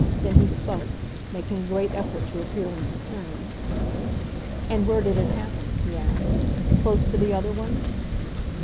Then he spoke, making a great effort to appear unconcerned. "And where did it happen?" he asked. "Close to the other one?"